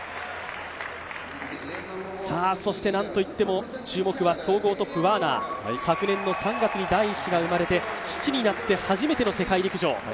そしてなんといっても、注目は総合トップワーナー、昨年の３月に第１子が生まれて父になって初めての世界陸上。